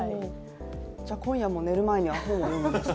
今夜も寝る前には本を読むんですか？